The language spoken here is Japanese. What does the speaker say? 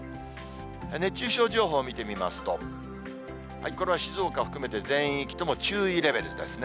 熱中症情報見てみますと、これは静岡を含めて全域とも注意レベルですね。